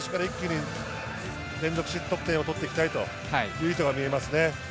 連続得点を取っていきたいという意図が見えますね。